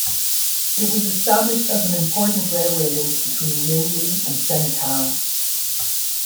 It was established as an important railway link between Lindley and Senekal.